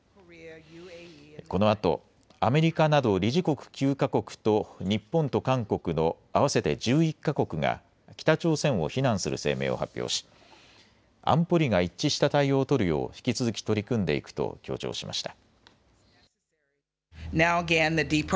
このあと、アメリカなど理事国９か国と日本と韓国の合わせて１１か国が北朝鮮を非難する声明を発表し安保理が一致した対応を取るよう引き続き取り組んでいくと強調しました。